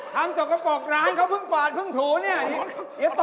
ถามจากเขาบอกร้านเขาเพิ่งกว่านเพิ่งถูนเนี่ย